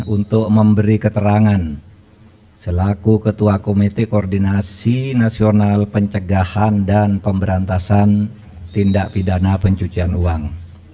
untuk memberi keterangan selaku ketua komite koordinasi nasional pencegahan dan pemberantasan tindak pidana pencucian uang